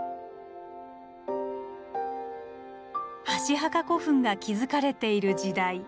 箸墓古墳が築かれている時代。